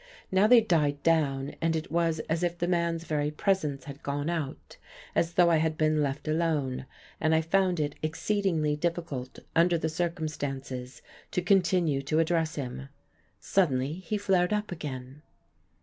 Now they died down, and it was as if the man's very presence had gone out, as though I had been left alone; and I found it exceedingly difficult, under the circumstances, to continue to address him. Suddenly he flared up again.